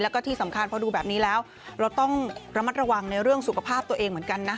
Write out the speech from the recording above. แล้วก็ที่สำคัญพอดูแบบนี้แล้วเราต้องระมัดระวังในเรื่องสุขภาพตัวเองเหมือนกันนะ